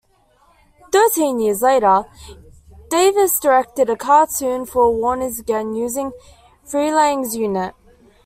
Thirteen years later, Davis directed a cartoon for Warners again, using Freleng's unit.